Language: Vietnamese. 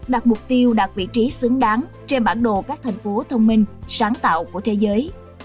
đạt mục tiêu đạt vị trí xứng đáng trên bản đồ các thành phố thông minh sáng tạo của thế giới